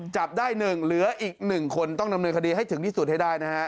จับได้๑เหลืออีก๑คนต้องดำเนินคดีให้ถึงที่สุดให้ได้นะฮะ